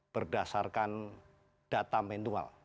berdasarkan data manual